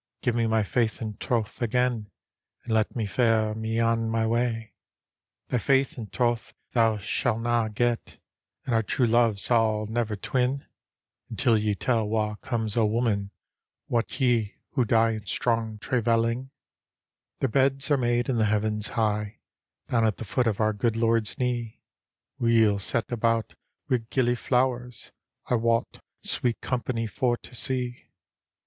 Give me my faith and troth again, And let me fare me on my way." " Thy faith and troth thou sail na get, And our true !ove sail never twin. Until ye tell wha' comes o' women, Wot ye, who die in strong traivcUing? "" Their beds are made in the heavens high, Down at the foot of our good Lord's knee, Weel set about wi' gillyflowers ; I wot, sweet company for to see.